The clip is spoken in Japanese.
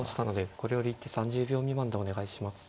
これより一手３０秒未満でお願いします。